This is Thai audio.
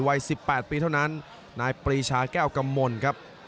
วัย๑๘ปีเท่านั้นนายปรีชาแก้วกำมลครับ